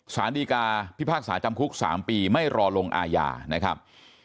สารดีกาพิพากษาจำคุก๓ปีไม่รอลงอาญานะครับ